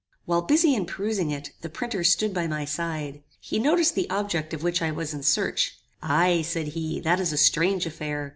While busy in perusing it, the printer stood by my side. He noticed the object of which I was in search. "Aye," said he, "that is a strange affair.